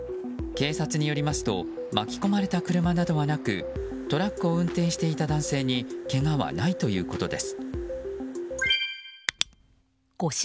警察によりますと巻き込まれた車などはなくトラックを運転していた男性にけがはないということです。